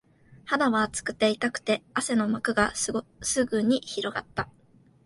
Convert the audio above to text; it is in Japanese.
肌は熱くて、痛くて、汗の膜がすぐに広がった